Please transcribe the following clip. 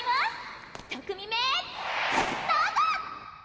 １組目どうぞ！